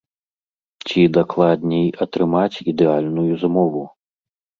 Ці, дакладней, атрымаць ідэальную змову.